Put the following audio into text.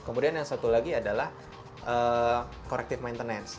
kemudian yang satu lagi adalah corrective maintenance